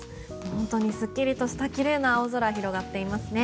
本当にすっきりとしたきれいな青空広がっていますね。